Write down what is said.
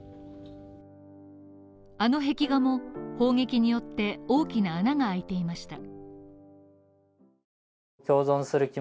あの壁画も、砲撃によって大きな穴があいていました。